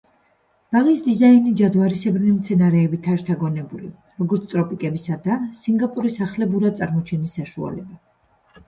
ბაღის დიზაინი ჯადვარისებრნი მცენარეებითაა შთაგონებული, როგორც ტროპიკებისა და სინგაპურის ახლებურად წარმოჩენის საშუალება.